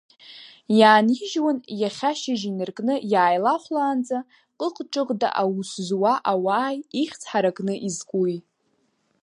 Иаанижьуан иахьашьыжь инаркны иааилахәлаанӡа, ҟыҟ-ҿыҟда аус зуа ауааи, ихьӡ ҳаракны изкуи.